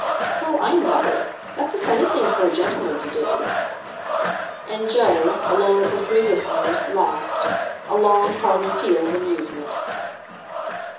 "Well, I never! That's a funny thing for a gentleman to do!" And Joe, alone of her three listeners, laughed—a long hearty peal of amusement.